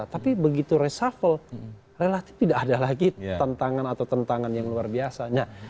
tapi begitu reshuffle relatif tidak ada lagi tantangan atau tentangan yang luar biasa